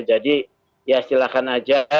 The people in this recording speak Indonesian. jadi ya silakan saja